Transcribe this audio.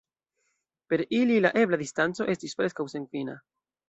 Per ili la ebla distanco estis preskaŭ senfina.